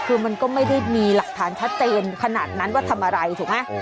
คือมันก็ไม่ได้มีหลักฐานชัดเจนขนาดนั้นว่าทำอะไรถูกไหม